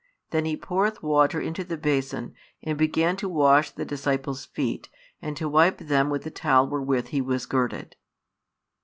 Then He poureth water into the bason, and began to wash the disciples' feet, and to wipe them with the towel wherewith He was girded.